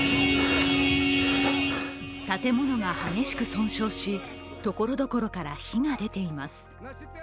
建物が激しく損傷し所々から火が出ています。